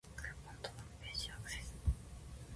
クーポン登録ページへアクセス